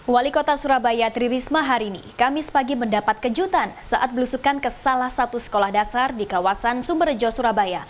wali kota surabaya tri risma hari ini kamis pagi mendapat kejutan saat belusukan ke salah satu sekolah dasar di kawasan sumberjo surabaya